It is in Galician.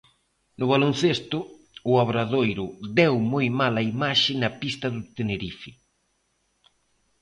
No baloncesto, o Obradoiro deu moi mala imaxe na pista do Tenerife.